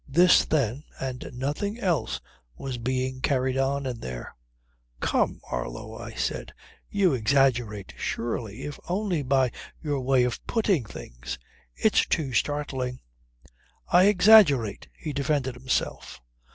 This then, and nothing else was being carried on in there ..." "Come, Marlow," I said, "you exaggerate surely if only by your way of putting things. It's too startling." "I exaggerate!" he defended himself.